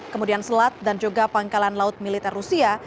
kemudian selat dan juga pangkalan laut militer rusia